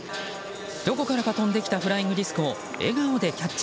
どこからか飛んできたフライングディスクを笑顔でキャッチ。